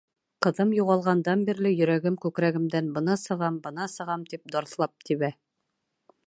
Ҡыҙым юғалғандан бирле, йөрәгем күкрәгемдән бына сығам, бына сығам тип, дарҫлап тибә.